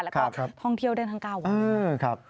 แล้วก็ท่องเที่ยวได้ทั้ง๙วันนะครับ